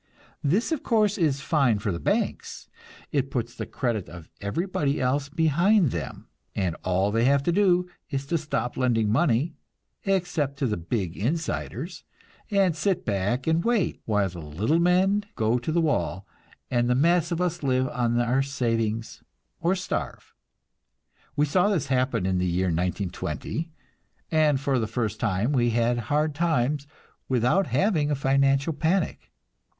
This, of course, is fine for the banks; it puts the credit of everybody else behind them, and all they have to do is to stop lending money except to the big insiders and sit back and wait, while the little men go to the wall, and the mass of us live on our savings or starve. We saw this happen in the year 1920, and for the first time we had "hard times" without having a financial panic.